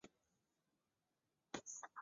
早年捐太仆寺员外郎。